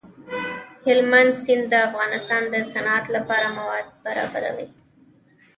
هلمند سیند د افغانستان د صنعت لپاره مواد برابروي.